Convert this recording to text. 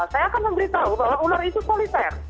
saya akan memberitahu bahwa ular itu politer